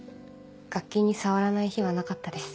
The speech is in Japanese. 楽器に触らない日はなかったです。